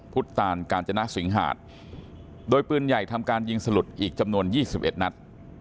พุทธตานกาญจนสิงหาดโดยปืนใหญ่ทำการยิงสลุดอีกจำนวน๒๑นัด